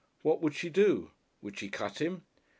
What would she do? Would she cut him?